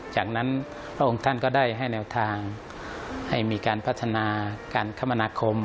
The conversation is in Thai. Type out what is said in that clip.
จากนั้นพระองค์ท่านก็ได้ให้แนวทางให้มีการพัฒนาการคมนาคม